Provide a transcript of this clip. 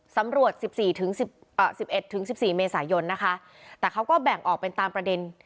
สำรวจ๑๔ถึง๑๑๑๔เมษายนนะคะแต่เขาก็แบ่งออกเป็นตามประเด็น